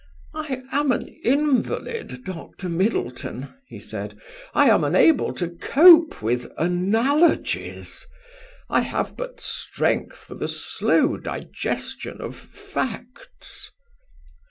"I am an invalid, Dr. Middleton," he said. "I am unable to cope with analogies. I have but strength for the slow digestion of facts."